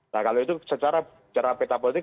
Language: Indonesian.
nah kalau itu secara peta politik